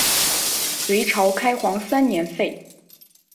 隋朝开皇三年废。